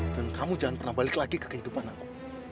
dan kamu jangan pernah balik lagi ke kehidupan aku